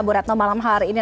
bu retno malam hari ini